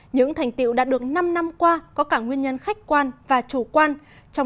những thành tiệu đã được năm năm qua có cả nguyên nhân khách quan và chủ quan